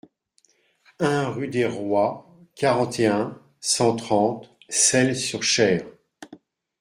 un rue des Roies, quarante et un, cent trente, Selles-sur-Cher